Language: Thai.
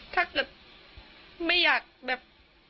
ถ้าเกิดไม่อยากแบบ